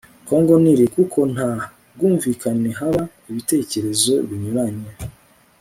congo-nil, kuko nta bwumvikane haba ibitekerezo binyuranye